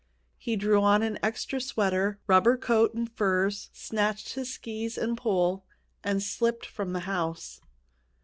He drew on an extra sweater, rubber coat and furs, snatched his skis and pole, and slipped from the house.